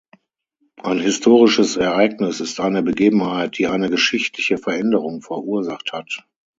Ein historisches Ereignis ist eine Begebenheit, die eine geschichtliche Veränderung verursacht hat.